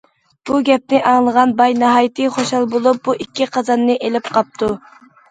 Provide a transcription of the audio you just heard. بۇ گەپنى ئاڭلىغان باي ناھايىتى خۇشال بولۇپ، بۇ ئىككى قازاننى ئېلىپ قاپتۇ.